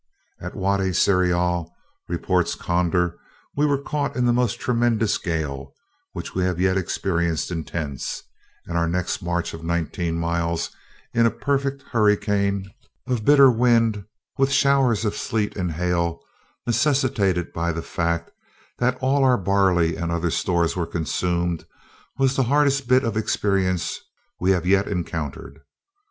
At Wady Seiyal, reports Conder, "we were caught in the most tremendous gale which we have yet experienced in tents; and our next march of nineteen miles in a perfect hurricane of bitter wind, with showers of sleet and hail, necessitated by the fact that all our barley and other stores were consumed, was the hardest bit of experience we have yet encountered.